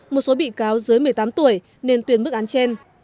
một số bị cáo dưới một mươi tám tuổi nên tuyên bức án trên